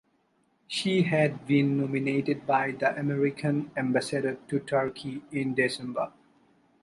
She had been nominated by the American ambassador to Turkey in December.